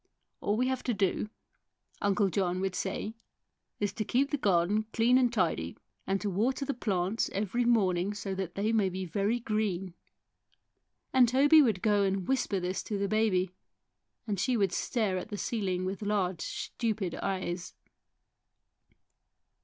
" All we have to do," Uncle John would say, "is to keep the garden clean and tidy, and to water the plants every morning so that they may be very green." And Toby would go and whisper this to the baby, and she would stare at the ceiling with large, stupid eyes.